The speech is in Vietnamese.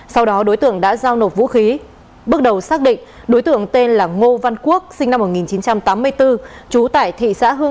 sau đó đối tượng đã giao nộp vũ khí bước đầu xác định đối tượng tên là ngô văn quốc sinh năm một nghìn chín trăm tám mươi bốn